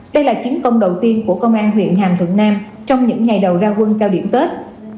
đây là chiến công đầu tiên của công an huyện hàm thuận nam trong những ngày đầu ra quân cao điểm tết